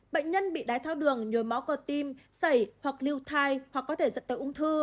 bệnh nhân bị đái tháo đường nhồi máu cơ tim sẩy hoặc lưu thai hoặc có thể dẫn tới ung thư